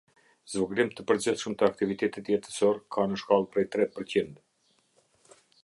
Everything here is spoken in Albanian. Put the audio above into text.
Zvogëlim të përgjithshëm të aktivitetit jetësor ka në shkallë prej tre përqind